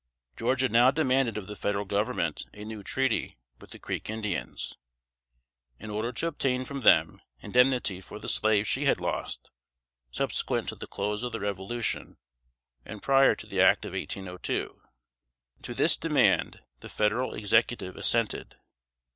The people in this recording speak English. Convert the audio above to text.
] Georgia now demanded of the Federal Government a new treaty with the Creek Indians, in order to obtain from them indemnity for the slaves she had lost, subsequent to the close of the Revolution, and prior to the act of 1802. To this demand the Federal Executive assented.